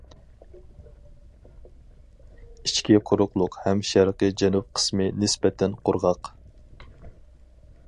ئىچكى قۇرۇقلۇق ھەم شەرقى جەنۇب قىسمى نىسبەتەن قۇرغاق.